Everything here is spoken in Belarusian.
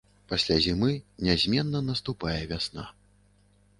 Пасля зімы нязменна наступае вясна.